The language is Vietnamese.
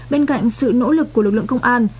bên cạnh sự nỗ lực của lực lượng công an